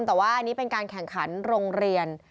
แต่ว่าอันนี้เป็นการแข่งขันโรงเรียน